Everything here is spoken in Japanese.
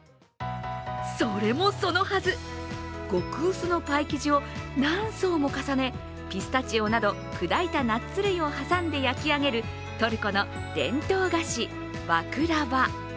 それもそのはず、極薄のパイ生地を何層も重ねピスタチオなどの砕いたナッツ類を挟んで焼き上げるトルコの伝統菓子、バクラヴァ。